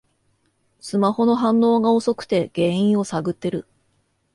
スマホの反応が遅くて原因を探ってる